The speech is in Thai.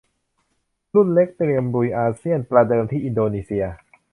รุ่นเล็กเตรียมลุยอาเซียนประเดิมที่อินโดนีเซีย